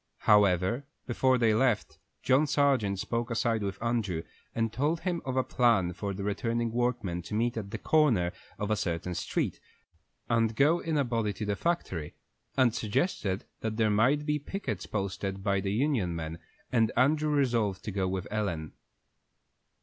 However, before they left, John Sargent spoke aside with Andrew, and told him of a plan for the returning workmen to meet at the corner of a certain street, and go in a body to the factory, and suggested that there might be pickets posted by the union men, and Andrew resolved to go with Ellen.